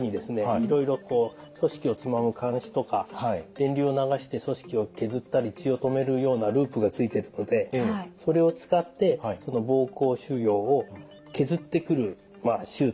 いろいろ組織をつまむ鉗子とか電流を流して組織を削ったり血を止めるようなループがついてるのでそれを使って膀胱腫瘍を削ってくる手術ですね。